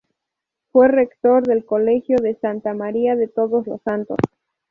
Fue rector del Colegio de Santa María de Todos Santos.